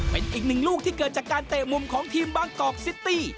เป็นอีกหนึ่งลูกที่เกิดจากการเตะมุมของทีมบางกอกซิตี้